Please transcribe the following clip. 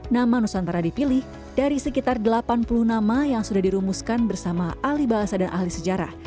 nama nusantara dipilih dari sekitar delapan puluh nama yang sudah dirumuskan bersama ahli bahasa dan ahli sejarah